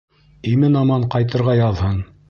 Имен-аман ҡайтырға яҙһын!